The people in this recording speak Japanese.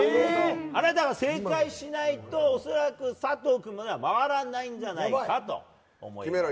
あなたが正解しないと恐らく佐藤君まで回らないんじゃないかと思います。